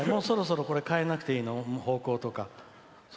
そろそろ変えなくていいの？方向とか。